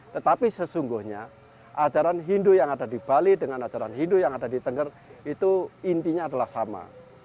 tetapi sesungguhnya ajaran hindu yang ada di bali dengan ajaran hindu yang ada di tengger itu intinya adalah sama